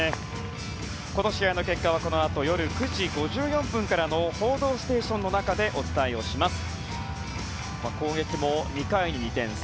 この試合の結果はこのあと夜９時５４分からの「報道ステーション」の中でお伝えします。